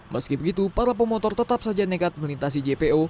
meski begitu para pemotor tetap saja nekat melintasi jpo